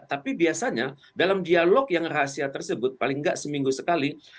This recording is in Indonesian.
tapi biasanya dalam dialog yang rahasia tersebut paling nggak seminggu sekali